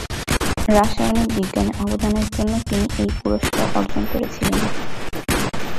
রাসায়নিক বিজ্ঞানে অবদানের জন্য তিনি এই পুরস্কার অর্জন করেছিলেন।